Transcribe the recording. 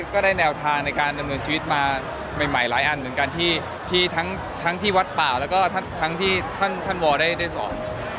ก็ได้แนวทางในการดำเนินชีวิตมาใหม่หลายอันเหมือนกันที่ทั้งที่วัดป่าแล้วก็ทั้งที่ท่านวอลได้สอน